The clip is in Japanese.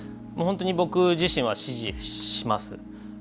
本当に僕自身は指示します。